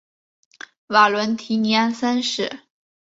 瓦伦提尼安三世。